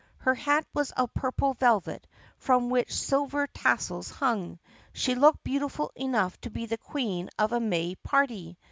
Her hat was of purple velvet from which silver tassels hung. She looked beautiful enough to be the queen of a May party.